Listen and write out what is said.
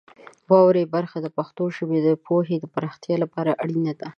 واورئ برخه د پښتو ژبې د پوهې د پراختیا لپاره اړینه ده.